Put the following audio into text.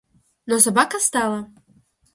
Но собака стала.